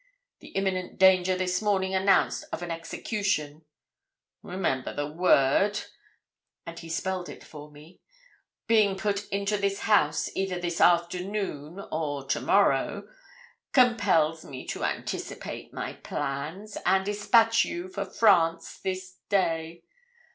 The immiment danger this morning announced of an execution remember the word,' and he spelled it for me 'being put into this house either this afternoon or to morrow, compels me to anticipate my plans, and despatch you for France this day.